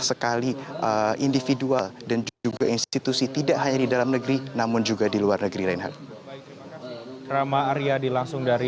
sekali individual dan juga institusi tidak hanya di dalam negeri namun juga di luar negeri lainnya